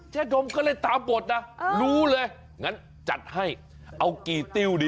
ดมก็เลยตามบทนะรู้เลยงั้นจัดให้เอากี่ติ้วดิ